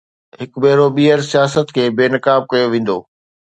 هڪ ڀيرو ٻيهر سياست کي بي نقاب ڪيو ويندو؟